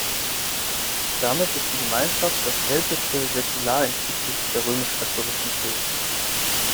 Damit ist die Gemeinschaft das älteste Säkularinstitut der römisch-katholischen Kirche.